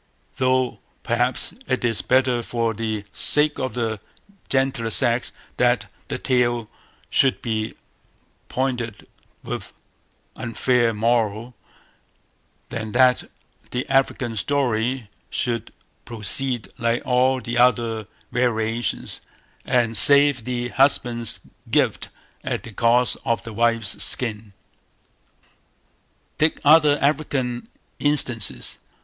Though, perhaps, it is better, for the sake of the gentler sex, that the tale should be pointed with this unfair moral, than that the African story should proceed like all the other variations, and save the husband's gift at the cost of the wife's skin. Take other African instances.